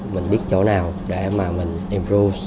mình biết chỗ nào để mà mình improve